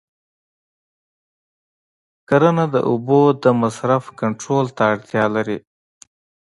کرنه د اوبو د مصرف کنټرول ته اړتیا لري.